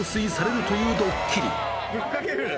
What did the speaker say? ぶっかける？